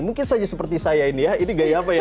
mungkin saja seperti saya ini ya ini gaya apa ya